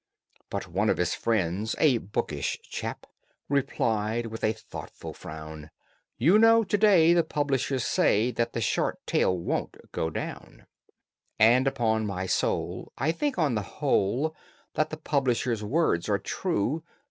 But one of his friends, a bookish chap, Replied, with a thoughtful frown, "You know to day the publishers say That the short tale won't go down; And, upon my soul, I think on the whole, That the publishers' words are true.